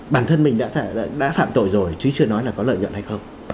bản thân mình đã phạm tội rồi chứ chưa nói là có lợi nhuận hay không